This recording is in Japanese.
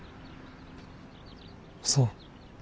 そう。